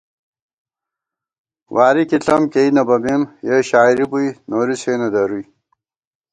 واری کی ݪم کېئ نہ بَمېم، یَہ شاعری بُوئی نوری سےنہ درُوئی